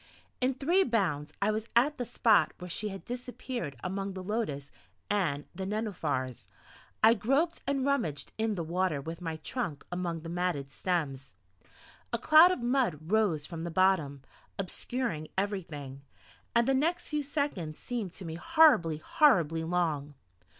In three bounds I was at the spot where she had disappeared among the lotus and the nenuphars. I groped and rummaged in the water with my trunk among the matted stems. A cloud of mud rose from the bottom, obscuring everything, and the next few seconds seemed to me horribly, horribly long.